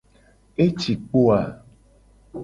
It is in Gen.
Eci kpo a?